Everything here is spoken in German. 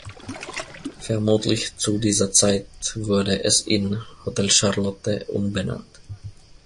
Vermutlich zu dieser Zeit wurde es in "Hotel Charlotte" umbenannt.